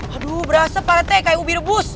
aduh berasa partai kayak ubi rebus